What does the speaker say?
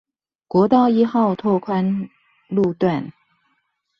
國道一號拓寬路段